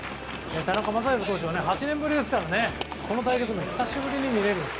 田中将大投手は８年ぶりですからこの対決も久しぶりに見れる。